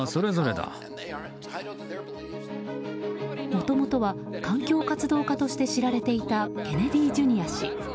もともとは環境活動家として知られていたケネディ・ジュニア氏。